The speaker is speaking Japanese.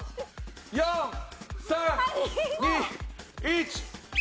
４３２１。